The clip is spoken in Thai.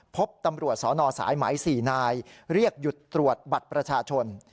พบตำรวจสนสายไหม๔นายเรียกหยุดตรวจบัตรประชาชน